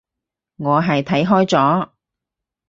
我係睇開咗